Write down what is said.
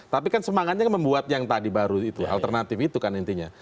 tapi kan semangatnya membuat yang tadi baru itu alternatif itu kan intinya